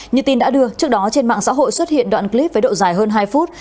như tin đã đưa trước đó trên mạng xã hội xuất hiện đoạn clip với độ dài hơn hai phút